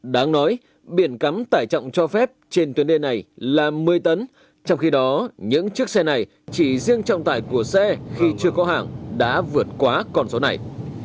đáng nói biển cấm tải trọng cho phép trên tuyến đê này là một mươi tấn trong khi đó những chiếc xe này chỉ riêng trọng tải của xe khi chưa có hàng đã vượt quá con số này